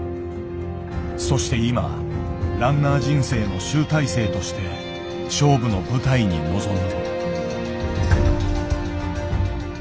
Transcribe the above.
そして今ランナー人生の集大成として勝負の舞台に臨む。